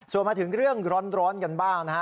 ส่วนมาถึงเรื่องร้อนกันบ้างนะฮะ